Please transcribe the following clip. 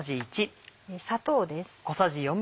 砂糖です。